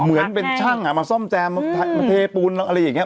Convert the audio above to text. เหมือนเป็นช่างมาซ่อมแซมมาเทปูนอะไรอย่างนี้